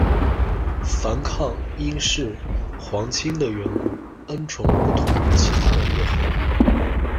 樊伉因是皇亲的缘故，恩宠不同于其他的列侯。